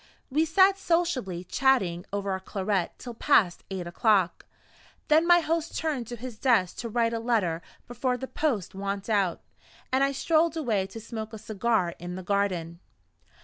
We sat sociably chatting over our claret till past eight o'clock. Then my host turned to his desk to write a letter before the post want out; and I strolled away to smoke a cigar in the garden.